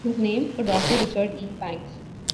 It was named for Doctor Richard E. Banks.